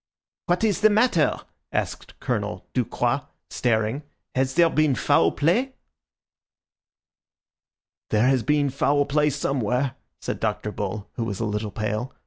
"What is the matter?" asked Colonel Ducroix, staring. "Has there been foul play?" "There has been foul play somewhere," said Dr. Bull, who was a little pale.